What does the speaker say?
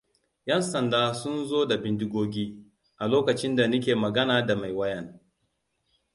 "Yan sanda sun zo da bindigogi, a lokacin da nike magana da mai wayan.